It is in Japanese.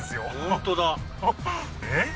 本当だえっ？